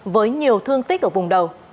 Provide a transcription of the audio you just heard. với nhiều thương tích ở vùng đầu